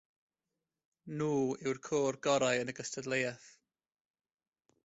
Nhw yw'r côr gorau yn y gystadleuaeth.